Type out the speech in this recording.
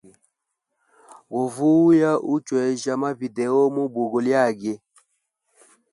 Go vuya uchwejya ma video mu bugo lyage.